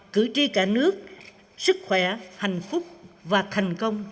cử tri cả nước sức khỏe hạnh phúc và thành công